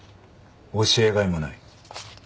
教えがいもない。